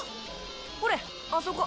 ほれあそこ。